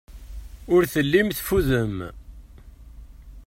Ur tellim teffudem.